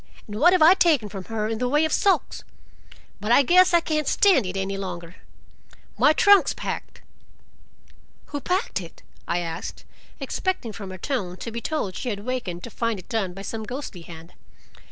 and what I have taken from her in the way of sulks!—"but I guess I can't stand it any longer. My trunk's packed." "Who packed it?" I asked, expecting from her tone to be told she had wakened to find it done by some ghostly hand.